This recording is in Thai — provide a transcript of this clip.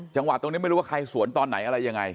จังหวะตรงนี้ไม่รู้ว่าใครสวนตอนไหนอะไรยังไง